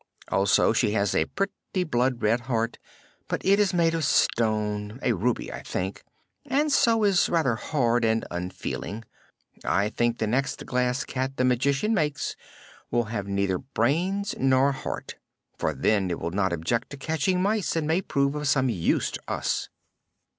Also she has a pretty blood red heart, but it is made of stone a ruby, I think and so is rather hard and unfeeling. I think the next Glass Cat the Magician makes will have neither brains nor heart, for then it will not object to catching mice and may prove of some use to us."